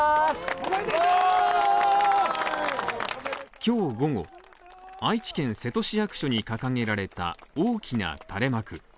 今日午後、愛知県瀬戸市役所に掲げられた大きな垂れ幕。